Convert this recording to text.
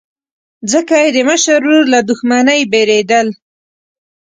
ځکه یې د مشر ورور له دښمنۍ بېرېدل.